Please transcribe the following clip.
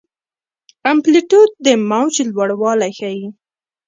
امپلیتیوډ د موج لوړوالی ښيي.